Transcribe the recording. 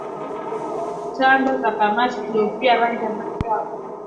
Tando za kamasi kugeuka rangi ya manjano